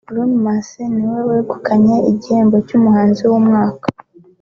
Bruno Mars niwe wegukanye igihembo cy’umuhanzi w’umwaka